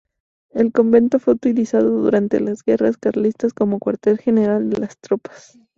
El convento fue utilizado durante las guerras carlistas como cuartel general de las tropas.